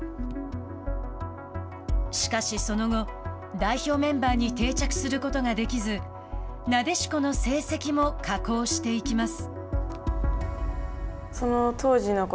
しかし、その後代表メンバーに定着することができずなでしこの成績も下降していきます。